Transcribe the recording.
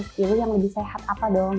kiri yang lebih sehat apa dong